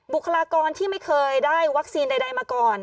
บุคลากรที่ไม่เคยได้วัคซีนใดมาก่อน